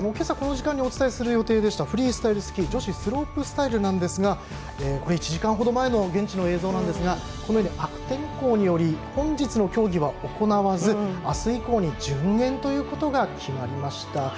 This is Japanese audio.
この時間にお伝えする予定でしたフリースタイルスキー女子スロープスタイルなんですが１時間ほど前の現地の映像ですが悪天候により本日の競技は行わず、あす以降に順延ということが決まりました。